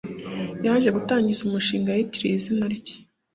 Yaje gutangiza umushinga yitiriye izina rye